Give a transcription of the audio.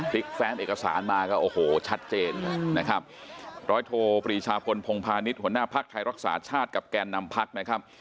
แฟ้มเอกสารมาก็โอ้โหชัดเจนเลยนะครับร้อยโทปรีชาพลพงพาณิชย์หัวหน้าภักดิ์ไทยรักษาชาติกับแกนนำพักนะครับ